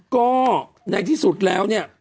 ก็ในที่สุดแล้วเนี่ย